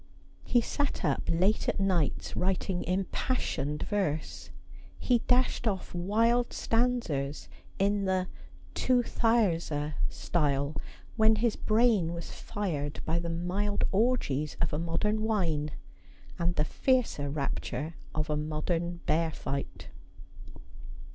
He sat up late at nights writing impassioned verse. He dashed ofE wild stanzas in the ' To Thyrza' style, when his brain was fired by the mild orgies of a modern wine, and the fiercer rapture of a modern bear fight.